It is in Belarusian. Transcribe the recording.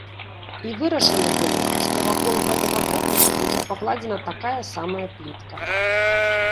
І вырашана было, што вакол гэтага помніка будзе пакладзена такая самая плітка.